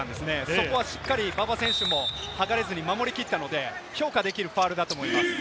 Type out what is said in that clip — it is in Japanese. そこはしっかり馬場選手もはかれずに守り切ったので、評価できるファウルだと思います。